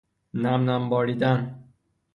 نم نم باریدن